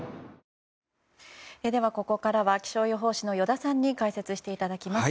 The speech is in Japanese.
では、ここからは気象予報士の依田さんに解説していただきます。